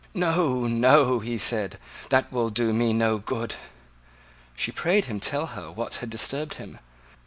"No, no," he said; "that will do me no good." She prayed him to tell her what had disturbed him.